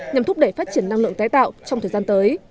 nhằm thúc đẩy phát triển năng lượng tái tạo trong thời gian tới